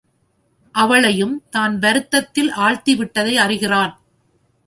அவளையும் தான் வருத்தத்தில் ஆழ்த்தி விட்டதை அறிகிறான்.